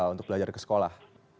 untuk belajar ke sekolah